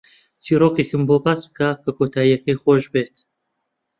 چیرۆکێکم بۆ باس بکە کە کۆتایییەکەی خۆش بێت.